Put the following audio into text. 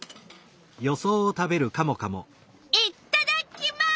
いっただっきます！